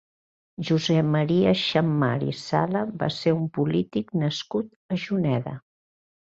Josep Maria Xammar i Sala va ser un polític nascut a Juneda.